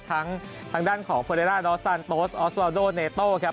ทางด้านของเฟอร์เรล่าดอสซานโตสออสวาโดเนโต้ครับ